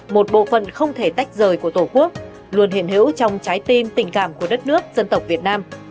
một bộ phận không thể tách rời của tổ quốc luôn hiện hữu trong trái tim tình cảm của đất nước dân tộc việt nam